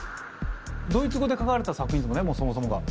ドイツ語で書かれた作品とかねもうそもそもが。